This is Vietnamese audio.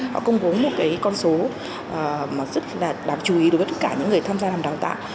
họ công bố một cái con số rất là đáng chú ý đối với tất cả những người tham gia làm đào tạo